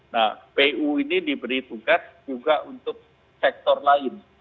nah pu ini diberi tugas juga untuk sektor lain